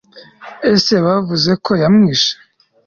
Ese Bavuze ko yamwishe